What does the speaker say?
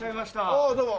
ああどうも。